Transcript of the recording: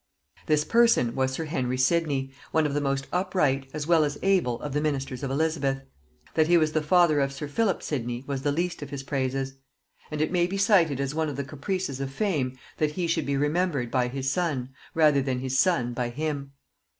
This person was sir Henry Sidney, one of the most upright as well as able of the ministers of Elizabeth: that he was the father of sir Philip Sidney was the least of his praises; and it may be cited as one of the caprices of fame, that he should be remembered by his son, rather than his son by him.